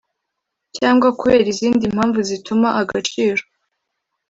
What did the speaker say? Cyangwa kubera izindi mpamvu zituma agaciro